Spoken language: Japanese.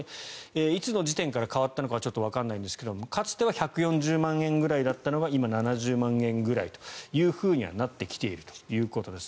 いつの時期から変わっているかはわからないんですがかつては１４０万円ぐらいだったのが今は７０万円ぐらいにはなってきているということです。